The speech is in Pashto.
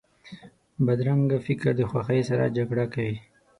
بدرنګه فکر د خوښۍ سره جګړه کوي